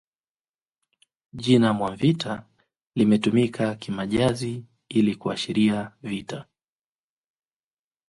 Jina Mwavita limetumika kimajazi ili kuashiria vita